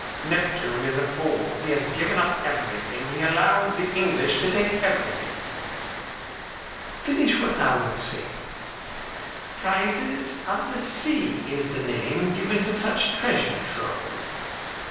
"Neptune is a fool. He has given up everything. He has allowed the English to take everything." "Finish what thou wert saying." "'Prizes of the sea' is the name given to such treasure trove."